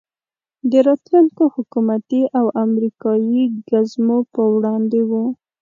د راتلونکو حکومتي او امریکایي ګزمو په وړاندې وو.